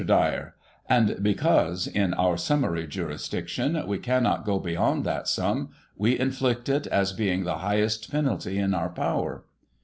Dyer: And because — in our summary jurisdiction — we cannot go beyond that sum, we inflict it as being the highest penalty in our power.